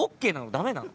ダメなの？